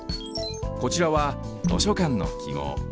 こちらは図書館のきごう。